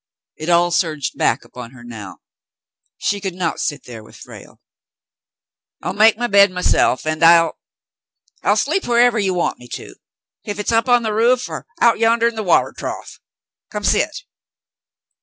It all surged back upon her now. She could not sit there with Frale. "I'll make my bed my self, an' I'll — I'll sleep wharevah you want me to, ef hit's up on the roof or out yandah in the water trough. Come, sit."